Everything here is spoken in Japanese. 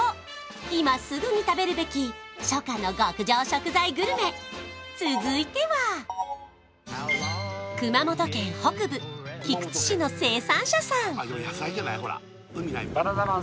今すぐに食べるべき初夏の極上食材グルメ続いては熊本県北部菊池市の生産者さん